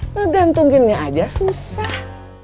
ngegantunginnya aja susah